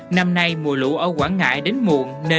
năm nay mùa lũ ở quảng ngãi đến muộn